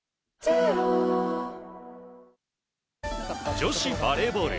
女子バレーボール。